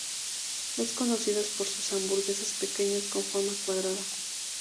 Es conocida por sus hamburguesas pequeñas con forma cuadrada.